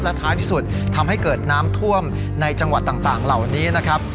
ท้ายที่สุดทำให้เกิดน้ำท่วมในจังหวัดต่างเหล่านี้นะครับ